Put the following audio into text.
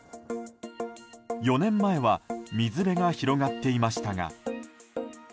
４年前は水辺が広がっていましたが。